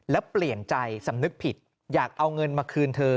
แล้วเปลี่ยนใจสำนึกผิดอยากเอาเงินมาคืนเธอ